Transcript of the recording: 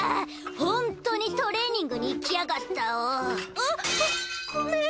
ホントにトレーニングに行きやがったお。